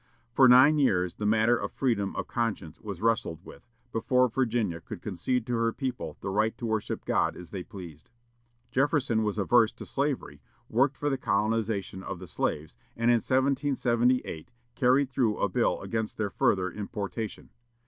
For nine years the matter of freedom of conscience was wrestled with, before Virginia could concede to her people the right to worship God as they pleased. Jefferson was averse to slavery, worked for the colonization of the slaves, and in 1778 carried through a bill against their further importation.